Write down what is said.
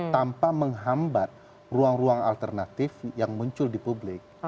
tanpa menghambat ruang ruang alternatif yang muncul di publik